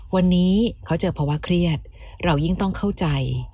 วันนี้เขาเจอภาวะเครียดเรายิ่งต้องเข้าใจ